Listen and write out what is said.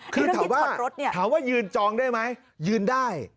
คือถามว่ายืนจองได้ไหมยืนได้